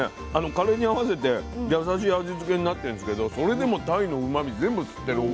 カレーに合わせて優しい味付けになってんですけどそれでもたいのうまみ全部吸ってるお米が。